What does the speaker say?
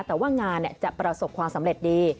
แต่ว่างานจะประสบความสำเร็จดี